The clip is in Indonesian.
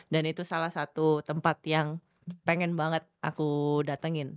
dan itu salah satu tempat yang pengen banget aku datengin